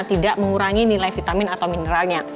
tidak mengurangi nilai vitamin atau mineralnya